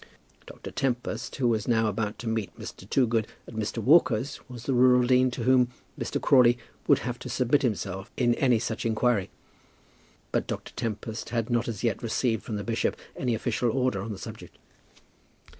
Dr. Tempest, who was now about to meet Mr. Toogood at Mr. Walker's, was the rural dean to whom Mr. Crawley would have to submit himself in any such inquiry; but Dr. Tempest had not as yet received from the bishop any official order on the subject.